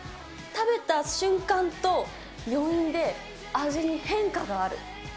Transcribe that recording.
食べた瞬間と余韻で味に変化がある。